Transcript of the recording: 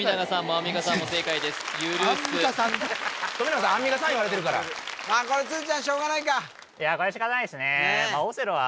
アンミカさんだって富永さんアンミカさん言われてるからまあこれ鶴ちゃんしょうがないかいやこれ仕方ないですね